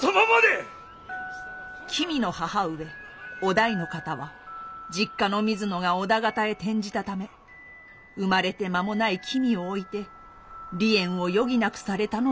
君の母上於大の方は実家の水野が織田方へ転じたため生まれて間もない君を置いて離縁を余儀なくされたのでございます。